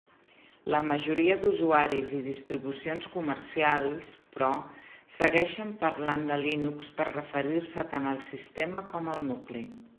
La majoria d'usuaris i distribucions comercials, però, segueixen parlant de Linux per referir-se tant al sistema com al nucli.